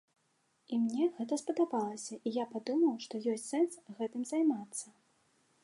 І мне гэта спадабалася, і я падумаў, што ёсць сэнс гэтым займацца.